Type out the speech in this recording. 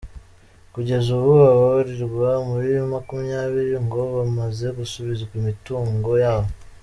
Kugeza ubu ababarirwa muri makumyabiri ngo bamaze gusubizwa imitungo yabo.